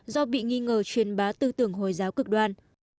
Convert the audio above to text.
do bị nghi ngờ truyền bá tư tưởng hồi giáo cực đoan